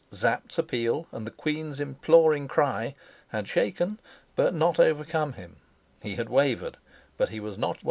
Sapt's appeal and the queen's imploring cry had shaken but not overcome him; he had wavered, but he was not won.